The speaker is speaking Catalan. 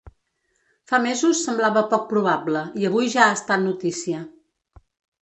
Fa mesos semblava poc probable i avui ja ha estat notícia.